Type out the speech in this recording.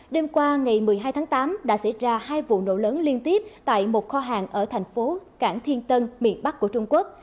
đêm qua ngày một mươi hai tháng tám đã xảy ra hai vụ nổ lớn liên tiếp tại một kho hàng ở thành phố cảng thiên tân miền bắc của trung quốc